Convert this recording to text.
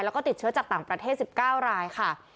แล้วก็ติดเชื้อจากต่างประเทศ๑๙รายค่ะ